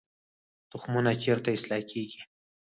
تخمونه چیرته اصلاح کیږي؟